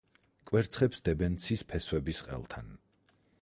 კვერცხებს დებენ ცის ფესვების ყელთან.